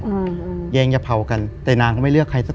คือก่อนอื่นพี่แจ็คผมได้ตั้งชื่อเอาไว้ชื่อเอาไว้ชื่อเอาไว้ชื่อ